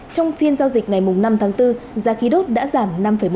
trong phiên giao dịch ngày năm tháng bốn giá khí đốt đã giảm năm bốn